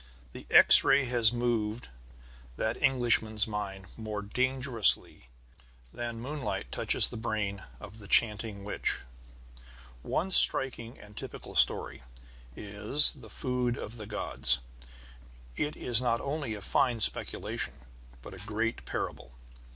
The X ray has moved that Englishman's mind more dangerously than moonlight touches the brain of the chanting witch. One striking and typical story is The Food of the Gods. It is not only a fine speculation, but a great parable.